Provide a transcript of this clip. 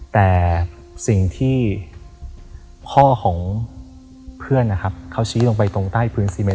แต่สิ่งที่พ่อของเพื่อนนะครับเขาชี้ลงไปตรงใต้พื้นซีเมน